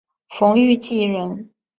冯誉骥人。